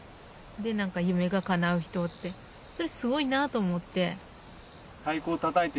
で何か夢がかなう人ってすごいなと思って。